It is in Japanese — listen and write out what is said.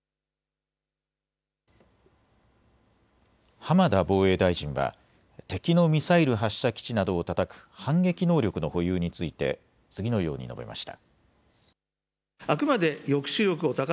浜田防衛大臣は敵のミサイル発射基地などをたたく反撃能力の保有について次のように述べました。